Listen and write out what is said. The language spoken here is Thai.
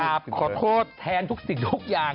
เหลือเลยขอโทษแทนทุกสิทธิ์ทุกอย่าง